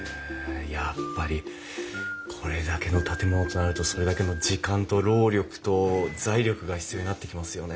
やっぱりこれだけの建物となるとそれだけの時間と労力と財力が必要になってきますよね。